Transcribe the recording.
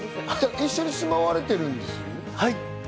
一緒に住まわれているんですよね？